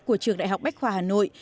của trường đại học bách khoa hà nội